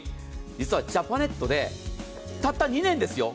実はジャパネットでたった２年で。